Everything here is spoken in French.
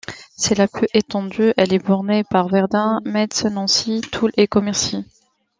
C’est la plus étendue, elle est bornée par Verdun, Metz, Nancy, Toul et Commercy.